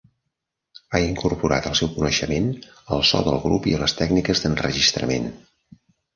Ha incorporat el seu coneixement al so del grup i a les tècniques d'enregistrament.